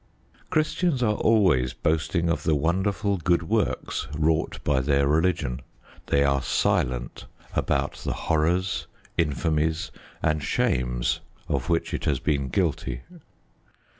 Christians are always boasting of the wonderful good works wrought by their religion. They are silent about the horrors, infamies, and shames of which it has been guilty.